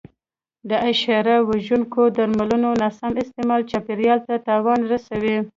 د حشره وژونکو درملو ناسم استعمال چاپېریال ته تاوان رسوي.